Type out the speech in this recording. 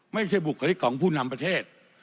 ไม่ใช่บุคลิกของผู้นำประเทศ